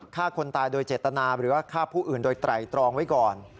ฆ่าคนตายโดยเจตนาหรือว่าฆ่าผู้อื่นโดยไตรตรองไว้ก่อน